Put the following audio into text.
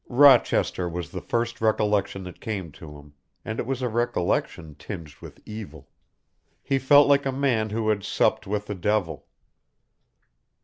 Rochester was the first recollection that came to him, and it was a recollection tinged with evil. He felt like a man who had supped with the devil.